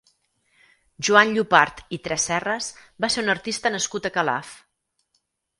Joan Llopart i Tresserres va ser un artista nascut a Calaf.